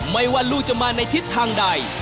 ไม่ว่าลูกจะมาในทิศทางใด